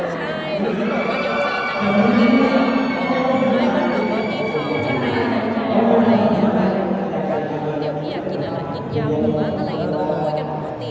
ใช่พี่สูงบอกว่าเดี๋ยวพี่อยากกินอะไรกินยังหรือว่าตลาดนี้ต้องมาคุยกันปกติ